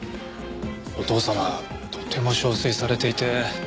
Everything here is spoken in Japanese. お父様とても憔悴されていて。